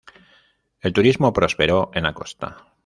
El turismo prosperó en la costa.